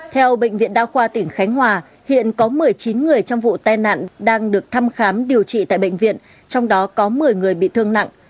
theo bệnh viện đa khoa tỉnh khánh hòa hiện có một mươi chín người trong vụ tai nạn đang được thăm khám điều trị tại bệnh viện trong đó có một mươi người bị thương nặng